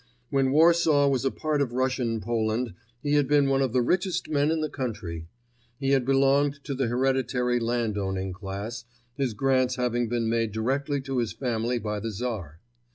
When Warsaw was a part of Russian Poland he had been one of the richest men in the country. He had belonged to the hereditary land owning class, his grants having been made directly to his family by the Tsar.